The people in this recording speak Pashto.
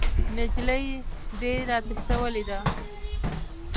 نجلۍ دې راتښتولې ده!